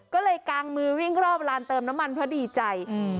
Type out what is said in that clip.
ก็เลยกางมือวิ่งรอบลานเติมน้ำมันเพราะดีใจ